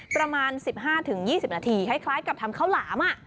ประมาณ๑๕๒๐นาทีคล้ายกับทำข้าวหลาม